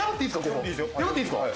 破っていいんですか？